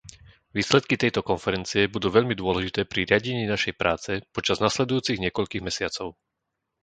Výsledky tejto konferencie budú veľmi dôležité pri riadení našej práce počas nasledujúcich niekoľkých mesiacov.